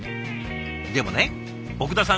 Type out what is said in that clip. でもね奥田さん